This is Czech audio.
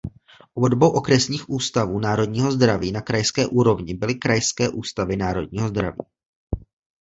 Obdobou okresních ústavů národního zdraví na krajské úrovni byly krajské ústavy národního zdraví.